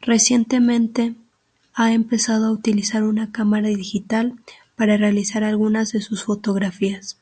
Recientemente, ha empezado a utilizar una cámara digital para realizar algunas de sus fotografías.